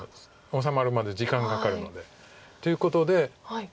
治まるまで時間かかるので。ということで。